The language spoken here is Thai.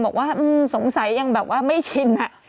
บอกว่าสงสัยยังแบบว่าไม่ชิน